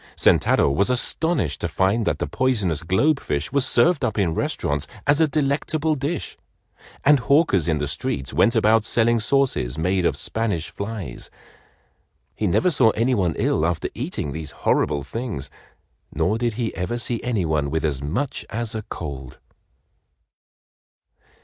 Sentaro was astonished to find that the poisonous globe fish was served up in restaurants as a delectable dish, and hawkers in the streets went about selling sauces made of Spanish flies. He never saw any one ill after eating these horrible things, nor did he ever see any one with as much as a cold.